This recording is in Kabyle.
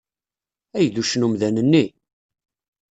Ay d uccen umdan-nni!